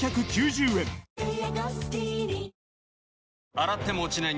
洗っても落ちない